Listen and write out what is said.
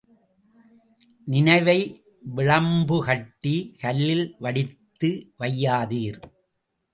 நினைவை விளம்புகட்டி, கல்லில் வடித்து வையாதீர்.